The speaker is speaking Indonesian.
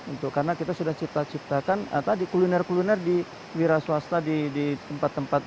untuk karena kita sudah cipta ciptakan tadi kuliner kuliner di wira swasta di tempat tempat